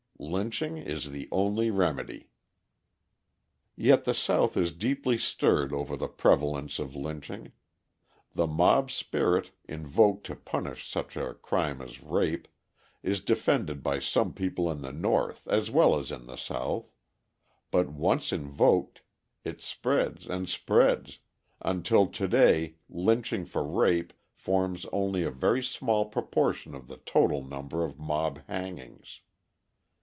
Lynching is the only remedy." Yet the South is deeply stirred over the prevalence of lynching. The mob spirit, invoked to punish such a crime as rape, is defended by some people in the North as well as in the South; but once invoked, it spreads and spreads, until to day lynching for rape forms only a very small proportion of the total number of mob hangings.